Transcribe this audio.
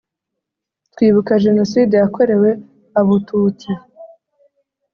twibuka jenoside ya korewe abututsi